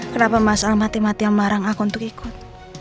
kenapa mas al mati matian melarang aku untuk ikut